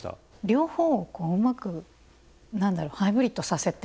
両方をうまく何だろうハイブリッドさせて。